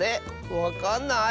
わかんない？